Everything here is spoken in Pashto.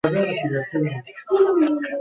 په هرات کې د پښتنو واکمنۍ ډېره وده وکړه.